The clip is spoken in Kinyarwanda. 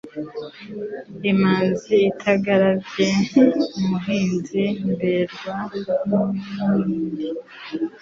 Imanzi itagarambye, umuhizi mberwa n'inkindi.